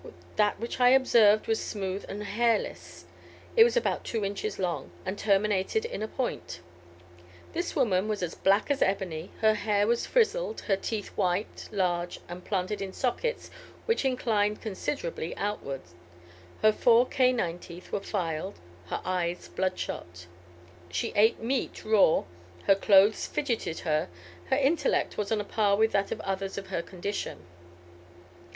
That which I observed was smooth and hairless. It was about two inches long, and terminated in a point. This woman was as black as ebony, her hair was frizzled, her teeth white, large, and planted in sockets which inclined considerably outward; her four canine teeth were filed, her eyes bloodshot. She ate meat raw, her clothes fidgeted her, her intellect was on a par with that of others of her condition.